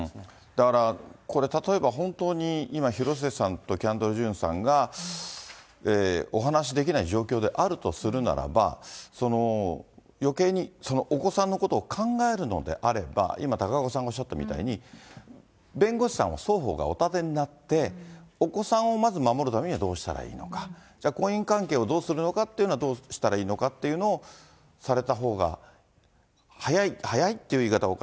だから、これ例えば、本当に今、広末さんとキャンドル・ジュンさんがお話しできない状況であるとするならば、よけいにお子さんのことを考えるのであれば、今、高岡さんがおっしゃったみたいに、弁護士さんを双方がお立てになって、お子さんをまず守るためにはどうしたらいいのか、じゃあ、婚姻関係をどうするのかっていうのをどうしたらいいのかっていうのをされたほうが速い、速いっていう言い方